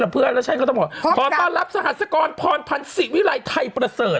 เพราะการรับสหัสกรรพภัณฑ์ศิวิรัยไทยเปรอเสิร์ท